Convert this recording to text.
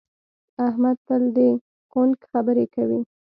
احمد تل د کونک خبرې کوي.